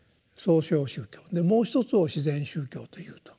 もう一つを「自然宗教」というと。